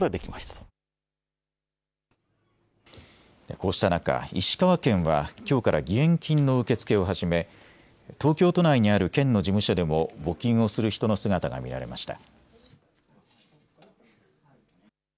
こうした中、石川県はきょうから義援金の受け付けを始め東京都内にある県の事務所でも募金をする人の姿が見られました。